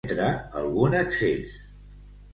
Cometre algun excés.